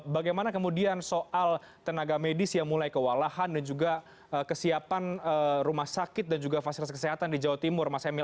bagaimana kemudian soal tenaga medis yang mulai kewalahan dan juga kesiapan rumah sakit dan juga fasilitas kesehatan di jawa timur mas emil